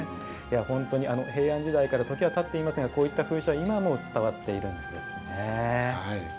平安時代から時はたっていますがこういった風習は今も伝わっているんですね。